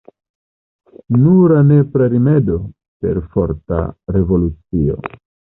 Nura nepra rimedo: perforta revolucio.